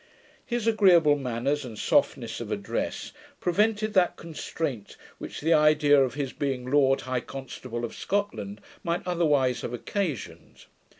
His agreeable manners and softness of address prevented that constraint which the idea of his being Lord High Constable of Scotland might otherwise have occasioned.